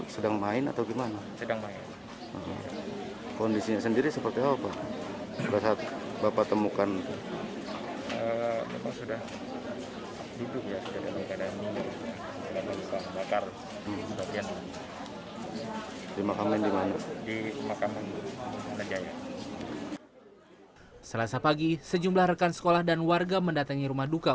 selasa pagi sejumlah rekan sekolah dan warga mendatangi rumah duka